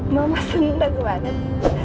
mama seneng banget